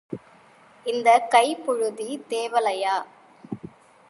இந்தக் கைப் புழுதி தேவலையா?